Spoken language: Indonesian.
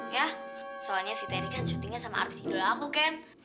ya soalnya si terry kan syutingnya sama artis artis idol aku ken